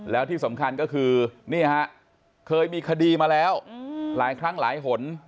แล้วที่สำคัญก็คือนี่ฮะเคยมีคดีมาแล้วหลายครั้งหลายหน